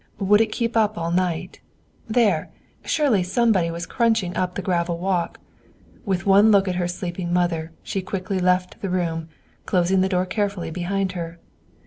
Would it keep up all night? There! surely somebody was crunching up the gravel walk. With one look at her sleeping mother, she quickly left the room, closing the door carefully behind her.